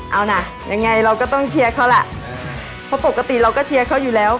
เอานะยังไงเราก็ต้องเชียร์เขาแหละเพราะปกติเราก็เชียร์เขาอยู่แล้ว